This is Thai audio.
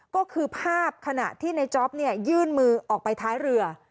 ก็คือภาพขณะที่ในจ๊อปยื่นมือออกไปท้ายเรือ